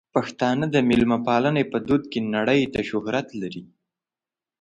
پښتانه د مېلمه پالنې په دود کې نړۍ ته شهرت لري.